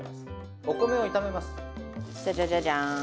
お米を炒めます。